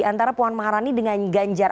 antara puan maharani dengan ganjar